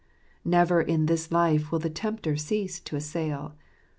Never in this life will the tempter cease to assail.